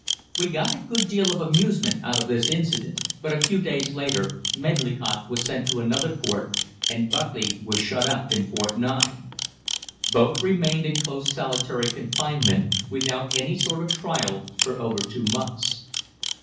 We got a good deal of amusement out of this incident; but a few days later Medlicott was sent to another fort and Buckley was shut up in Fort 9. Both remained in close solitary confinement without any sort of trial for over two months.